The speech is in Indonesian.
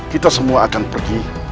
kita semua akan pergi